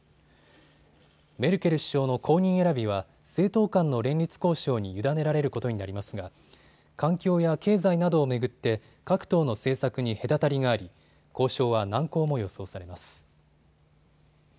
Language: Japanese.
メルケル首相の後任選びは政党間の連立交渉に委ねられることになりますが環境や経済などを巡って各党の政策に隔たりがあり交渉は難航も予想されます。